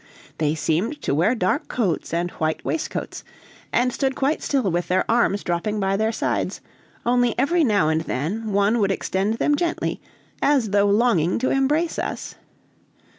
They seemed to wear dark coats and white waistcoats, and stood quite still with their arms dropping by their sides, only every now and then one would extend them gently, as though longing to embrace us.